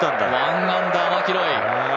１アンダー、マキロイ。